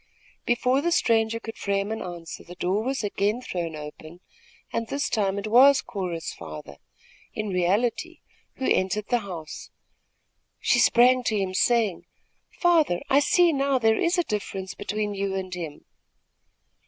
Before the stranger could frame an answer, the door was again thrown open, and this time it was Cora's father, in reality, who entered the house. She sprang to him, saying: "Father, I see now there is a difference between you and him!"